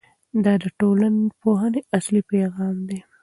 دا د ټولنپوهنې اصلي پیغام دی.